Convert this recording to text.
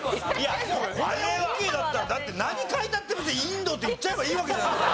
これオッケーだったらだって何書いたって別に「インド」って言っちゃえばいいわけじゃないですか。